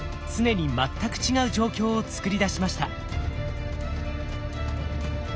常に全く違う状況を作り出しました。